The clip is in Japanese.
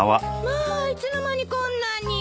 まあいつの間にこんなに。